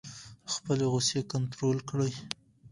خپلې غصې کنټرول کړئ.